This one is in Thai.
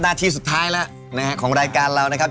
นาทีสุดท้ายแล้วของรายการเรานะครับ